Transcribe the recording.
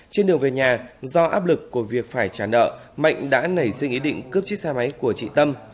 trên đường về nhà do áp lực của việc phải trả nợ mạnh đã nảy sinh ý định cướp chiếc xe máy của chị tâm